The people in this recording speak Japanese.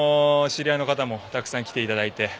知り合いの方もたくさん来ていただいて